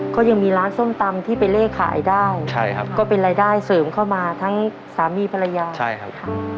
ก็เป็นรายได้เสริมเข้ามาทั้งสามีภรรยาใช่ครับ